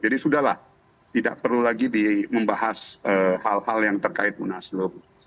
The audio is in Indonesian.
jadi sudah lah tidak perlu lagi membahas hal hal yang terkait munasabah